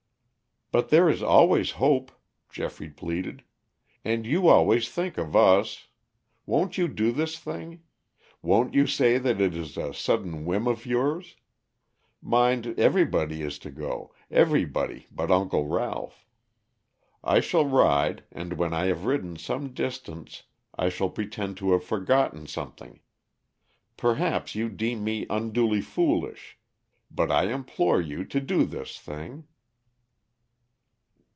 "But there is always hope," Geoffrey pleaded. "And you always thinks of us. Won't you do this thing? Won't you say that it is a sudden whim of yours? Mind, everybody is to go, everybody but Uncle Ralph. I shall ride and when I have ridden some distance I shall pretend to have forgotten something. Perhaps you deem me unduly foolish. But I implore you to do this thing."